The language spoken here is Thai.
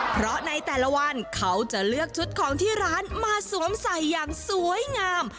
เพราะในแต่ละวันเขาจะเลือกชุดของที่ร้านมาสวมใส่อย่างสวยงาม